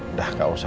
udah gak usah